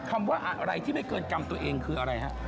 คำว่าอะไรที่ไม่เกินกรรมตัวเองคืออะไรฮะ